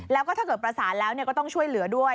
แล้วก็ถ้าเกิดประสานแล้วก็ต้องช่วยเหลือด้วย